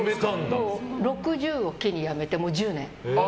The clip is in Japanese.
６０を機にやめて、もう１０年。